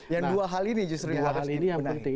yang dua hal ini justru yang harus dipenangi